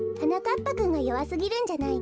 ぱくんがよわすぎるんじゃないの？